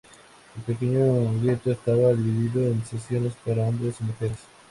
El pequeño gueto estaba dividido en secciones para hombres y mujeres.